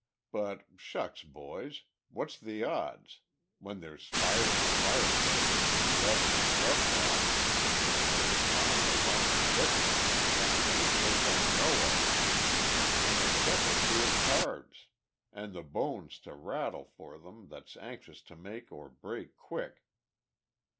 But, shucks, boys, what's the odds, when there's fire in the fire place an' grub in the grub box an' as fine a line of licker as you can find any place I know of. An' a deck or two of cards an' the bones to rattle for them that's anxious to make or break quick